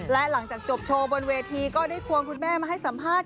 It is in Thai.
และหลังจากจบโชว์บนเวทีก็ได้ควงคุณแม่มาให้สัมภาษณ์